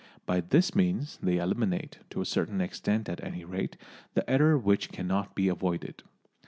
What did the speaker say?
By this means they eliminate, to a certain extent at any rate, the error which cannot be avoided.